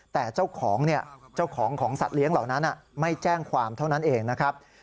แต่เจ้าของของสัตว์เลี้ยงเหล่านั้นไม่แจ้งความเท่านั้นเองนะครับ